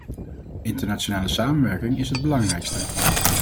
Internationale samenwerking is het belangrijkste.